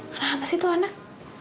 kenapa sih tuh anak